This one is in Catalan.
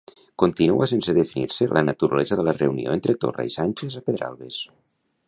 Continua sense definir-se la naturalesa de la reunió entre Torra i Sánchez a Pedralbes.